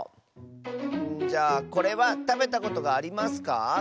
じゃあこれはたべたことがありますか？